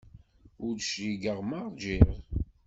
Ur d-cligeɣ ma ṛjiɣ.